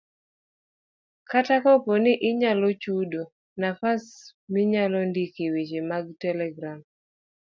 Kata kapo ni inyalo chudo, nafas minyalondikoe weche e mag telegram